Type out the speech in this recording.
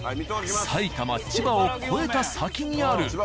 埼玉千葉を越えた先にある。